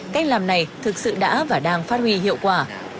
cách làm này thực sự đã và đang phát huy hiệu quả